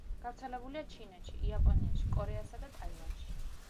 გავრცელებულია ჩინეთში, იაპონიაში, კორეასა და ტაივანში.